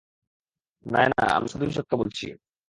নায়না, আমরা শুধুই সত্য বলছি।